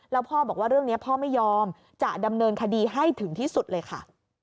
แล้วพ่อบอกว่าเรื่องนี้พ่อไม่ยอมจะดำเนินคดีให้ถึงที่สุดเลยค่ะ